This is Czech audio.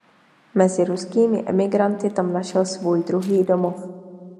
Mezi ruskými emigranty tam našel svůj druhý domov.